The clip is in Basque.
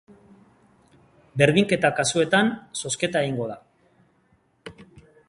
Berdinketa kasuetan, zozketa egingo da.